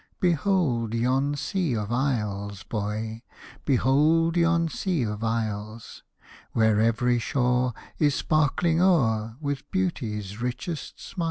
Behold yon sea of isles, boy, Behold yon sea of isles, Where every shore Is sparkling o'er With Beaut/s richest smiles.